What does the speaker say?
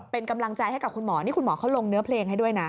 เป็นกำลังใจให้กับคุณหมอนี่คุณหมอเขาลงเนื้อเพลงให้ด้วยนะ